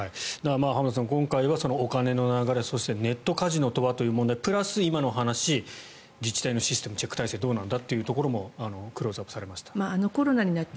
浜田さん、今回はお金の流れそしてネットカジノとはという問題プラス、今のお話自治体のシステムチェック体制はどうなんだというところもクローズアップされました。